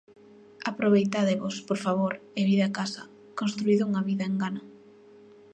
Aproveitádevos, por favor, e vide a casa; construíde unha vida en Ghana.